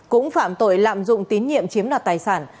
cũng phạm tội lạm dụng tín nhiệm chiếm đoạt tài sản